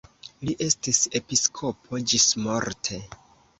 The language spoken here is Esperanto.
Li estis episkopo ĝismorte.